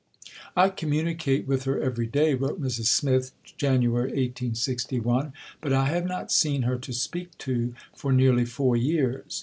"I communicate with her every day," wrote Mrs. Smith (Jan. 1861); "but I have not seen her to speak to for nearly four years."